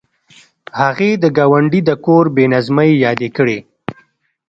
هغې د ګاونډي د کور بې نظمۍ یادې کړې